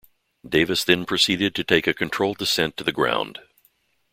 Davis then proceeded to take a controlled descent to the ground.